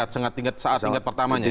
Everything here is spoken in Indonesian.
saat tingkat tingkat pertamanya ya